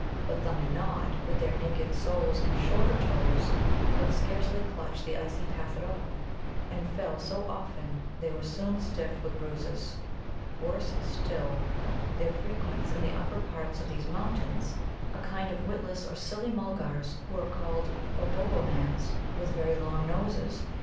But Thumb and Nod, with their naked soles and shorter toes, could scarcely clutch the icy path at all, and fell so often they were soon stiff with bruises. Worse still, there frequents in the upper parts of these mountains a kind of witless or silly Mulgars, who are called Obobbomans, with very long noses.